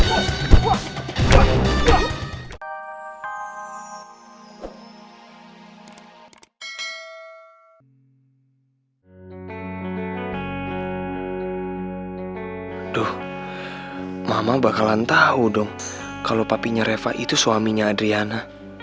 aduh mama bakalan tahu dong kalau papinya reva itu suaminya adriana